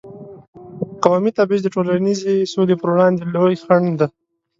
قومي تبعیض د ټولنیزې سولې پر وړاندې لوی خنډ دی.